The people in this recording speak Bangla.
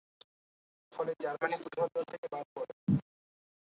ফলে জার্মানি ফুটবল দল থেকে বাদ পড়ে।